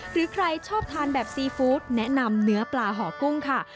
หรือใครชอบทานแบบซีฟู้ดแนะนำเนื้อปลาห่อกุ้งค่ะ